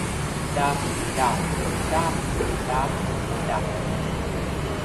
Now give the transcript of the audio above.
ดำ ด่ำ ด้ำ ด๊ำ ด๋ำ